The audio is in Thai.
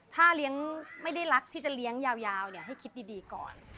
ถ้าไม่ได้รักที่จะเลี้ยงยาวให้คิดดีก่อน